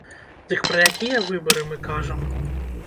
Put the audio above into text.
Дык пра якія выбары мы кажам?!